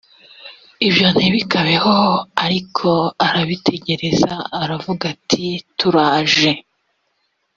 ibyo ntibikabeho ariko arabitegereza aravuga ati turaje